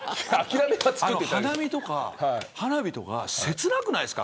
花見とか花火とか切なくないですか